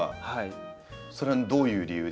それはどういう理由でですか？